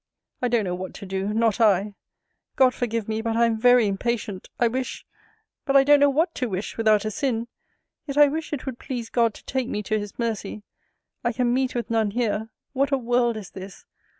I don't know what to do, not I! God forgive me, but I am very impatient! I wish But I don't know what to wish, without a sin! Yet I wish it would please God to take me to his mercy! I can meet with none here What a world is this!